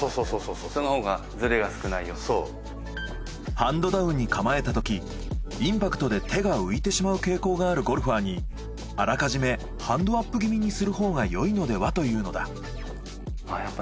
ハンドダウンに構えたときインパクトで手が浮いてしまう傾向があるゴルファーにあらかじめハンドアップ気味にするほうが良いのでは？というのだ。